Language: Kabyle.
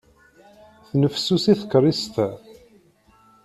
Tennefsusi tkerrist-a.